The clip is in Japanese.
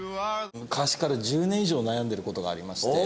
昔から１０年以上悩んでる事がありまして。